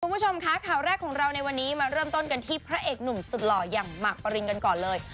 คุณผู้ชมคะข่าวแรกของเราในวันนี้มาเริ่มต้นกันที่พระเอกหนุ่มสุดหล่ออย่างหมากปรินกันก่อนเลย